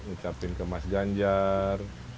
ucapin ke mas ganjar